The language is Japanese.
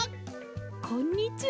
こんにちは。